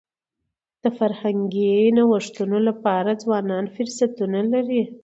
د فرهنګي نوښتونو لپاره ځوانان فرصتونه لري.